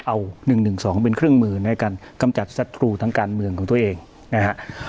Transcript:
เอา๑๑๒เป็นเครื่องมือในการกำจัดศัตรูทางการเมืองของตัวเองนะฮะ